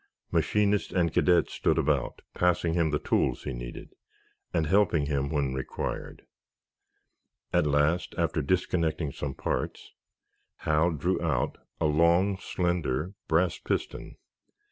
Machinists and cadets stood about, passing him the tools he needed, and helping him when required. At last, after disconnecting some parts, Hal drew out a long, slender brass piston.